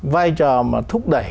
vai trò mà thúc đẩy